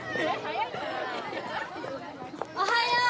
・おはよう。